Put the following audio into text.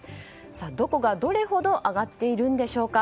どこがどれほど上がっているんでしょうか。